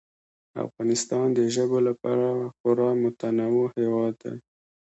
افغانستان د ژبو له پلوه خورا متنوع هېواد دی.